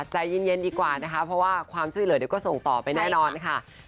ใจเย็นดีกว่านะคะเพราะว่าความช่วยเหลือเดี๋ยวก็ส่งต่อไปแน่นอนค่ะ